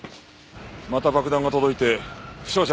また爆弾が届いて負傷者が出た。